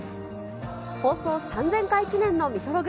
放送３０００回記念のミトｌｏｇ。